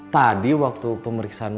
tadi waktu pemeriksaan